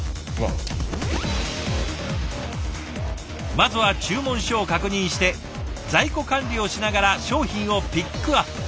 まずは注文書を確認して在庫管理をしながら商品をピックアップ。